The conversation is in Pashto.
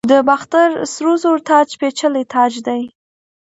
د باختر سرو زرو تاج پیچلی تاج دی